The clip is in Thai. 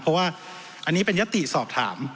เพราะว่าอันนี้เป็นยติสอบถาม